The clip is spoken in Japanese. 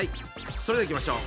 それではいきましょう！